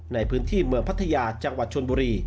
ในพื้นที่เมืองพัทยาจังหวัดชนบุรี